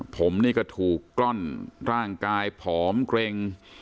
ผมนี่ก็ถูกกล้อนร่างกายผอมเกร็ง